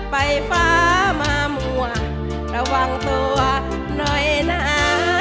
ไฟฟ้ามามั่วระวังตัวหน่อยนะ